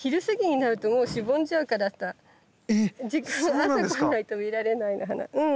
朝じゃないと見られない花。